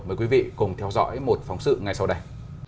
mời quý vị cùng theo dõi một phóng sự ngay sau đây